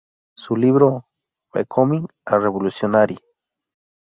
Su libro "Becoming a Revolutionary.